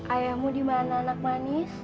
ayahmu dimana anak manis